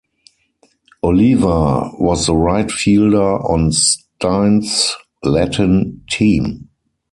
Oliva was the right fielder on Stein's Latin team.